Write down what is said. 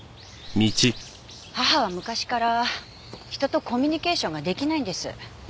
母は昔から人とコミュニケーションが出来ないんです。